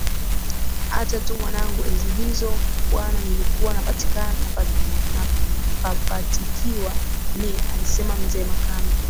acha tu mwanangu enzi hizo bwananilikuwa napapatikiwa mie alisema mzee Makame